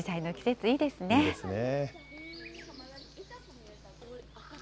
いいですね。